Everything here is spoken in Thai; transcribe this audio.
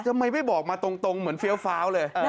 ทำไมไม่บอกมาตรงเหมือนเฟี้ยวฟ้าวเลย